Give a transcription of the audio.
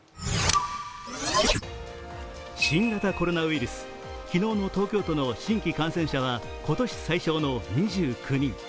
新型コロナウイルス、昨日の東京都の新規感染者は今年最少の２９人。